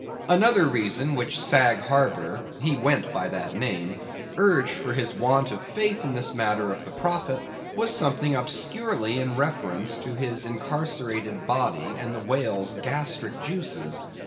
Another reason which Sag Harbor (he went by that name) urged for his want of faith in this matter of the prophet, was something obscurely in reference to his incarcerated body and the whale's gastric juices.